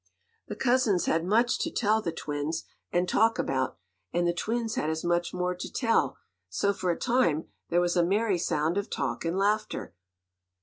The cousins had much to tell the twins, and talk about, and the twins had as much more to tell, so, for a time, there was a merry sound of talk and laughter.